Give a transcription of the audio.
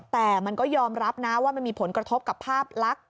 แต่มันก็ยอมรับนะว่ามันมีผลกระทบกับภาพลักษณ์